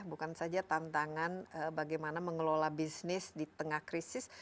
bukan saja tantangan bagaimana mengelola bisnis di tengah krisis